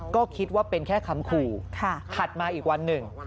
ก็คิดว่าเป็นแค่คำขู่ถัดมาอีกวันหนึ่ง